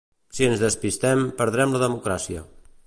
Si ens despistem, perdre'm la democràcia.